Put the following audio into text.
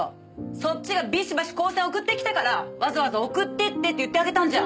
そっちがビシバシ光線送ってきたからわざわざ送ってって言ってあげたんじゃん。